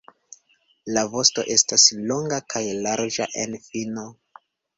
La vosto estas longa kaj larĝa en fino.